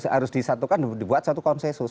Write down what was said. harus disatukan dibuat satu konsensus